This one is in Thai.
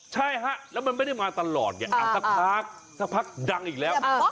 ใช่ฮะแล้วมันไม่ได้มาตลอดไงสักพักสักพักดังอีกแล้ว